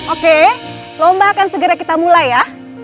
oke lomba akan segera kita mulai ya